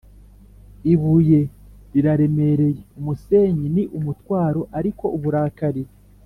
ibuye riraremereye umusenyi ni umutwaro ariko uburakari